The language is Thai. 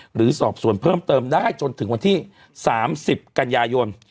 หรือสอบส่วนเพิ่มเติมได้จนถึงวันที่๓๐กันยายน